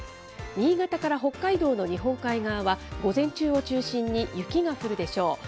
新潟から北海道の日本海側は午前中を中心に雪が降るでしょう。